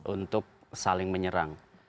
untuk saling menyerang